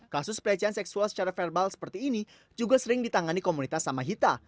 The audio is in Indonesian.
kasus pelecehan seksual secara verbal seperti ini juga sering ditangani komunitas samahita